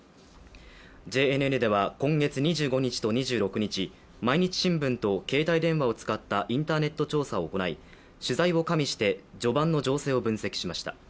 ＪＮＮでは今月２５日と２６日毎日新聞と携帯電話を使ったインターネット調査を行い取材を加味して序盤の情勢を分析しました。